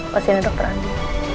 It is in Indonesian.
pasiennya dokter andi